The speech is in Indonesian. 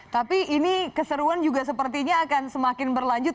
tapi ini keseruan juga sepertinya akan semakin berlanjut